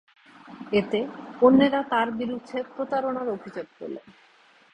এতে অন্যেরা তার বিরুদ্ধে প্রতারণার অভিযোগ তোলে।